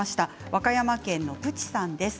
和歌山県の方からです。